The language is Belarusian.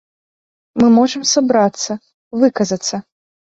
Мы можам сабрацца, выказацца.